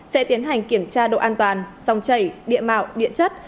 sẽ tiến hành kiểm tra độ an toàn dòng chảy địa mạo điện chất